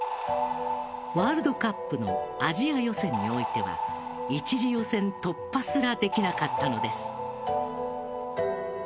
ワールドカップのアジア予選においては１次予選突破すらできなかったのです。